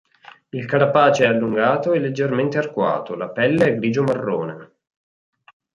Il carapace è allungato e leggermente arcuato, la pelle è grigio marrone.